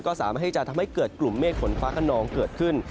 ก็สามารถที่จะทำให้เกิดกลุ่มเมฆฝนฟ้าขนองเกิดขึ้น